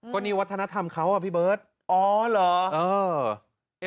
ก็นี่วัฒนธรรมเขาอ่ะพี่เบิร์ตอ๋อเหรอ